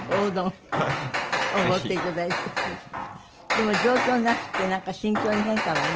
でも上京なすってなんか心境に変化はありました？